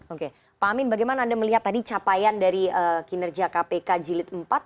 oke pak amin bagaimana anda melihat tadi capaian dari kinerja kpk jilid empat